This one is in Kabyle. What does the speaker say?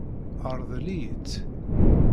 Ṛḍel-iyi-tt.